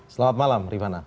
selamat malam rivana